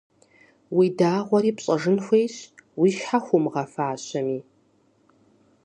Уи дагъуэри пщӀэжын хуейщ, уи щхьэ хуумыгъэфащэми.